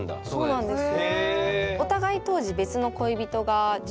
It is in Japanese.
そうなんです。